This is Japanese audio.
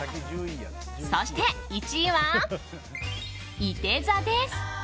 そして１位は、いて座です。